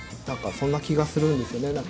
何かそんな気がするんですよね。